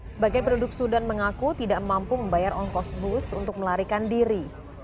sebagian penduduk sudan mengaku tidak mampu membayar ongkos bus untuk melarikan diri